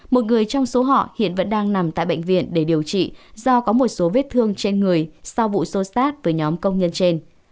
một người trong số họ hiện vẫn đang nằm tại bệnh viện để điều trị do có một số vết thương trên người sau vụ xô xát với nhóm công nhân trên